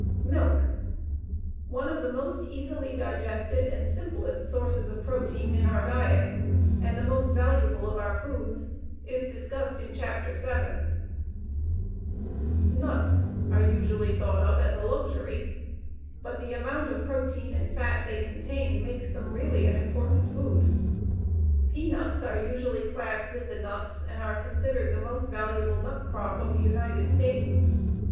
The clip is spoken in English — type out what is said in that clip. Milk, one of the most easily digested and simplest sources of protein in our diet and the most valuable of our foods, is discussed in Chapter VII. Nuts are usually thought of as a luxury, but the amount of protein and fat they contain makes them really an important food. Peanuts are usually classed with the nuts and are considered the most valuable nut crop of the United States.